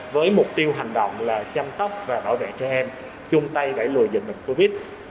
với mục tiêu hành động là chăm sóc và bảo vệ trẻ em chung tay đẩy lùi dịch bệnh covid